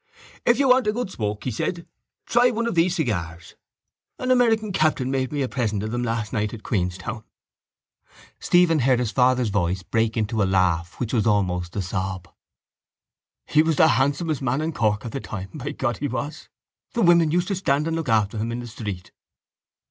—If you want a good smoke, he said, try one of these cigars. An American captain made me a present of them last night in Queenstown. Stephen heard his father's voice break into a laugh which was almost a sob. —He was the handsomest man in Cork at that time, by God he was! The women used to stand to look after him in the street.